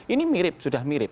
ini mirip sudah mirip